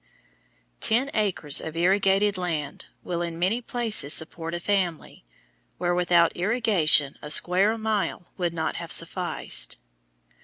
Ten acres of irrigated land will in many places support a family, where without irrigation a square mile would not have sufficed.